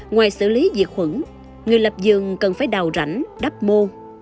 ngoài xử lý diệt khuẩn người lập giường cần phải đào rảnh đắp mô